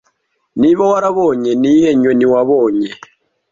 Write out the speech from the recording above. Niba warabonye niyihe nyoni wabonye